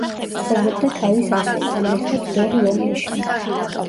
ცხოვრობდა თავის ასულთან ერთად დორ-ლომინში.